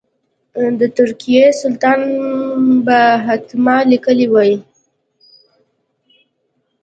د ترکیې سلطان به حتما لیکلي وای.